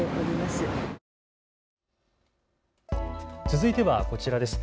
続いてはこちらです。